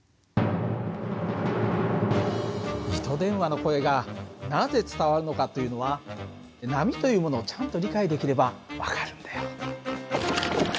糸電話の声がなぜ伝わるのかというのは波というものをちゃんと理解できれば分かるんだよ。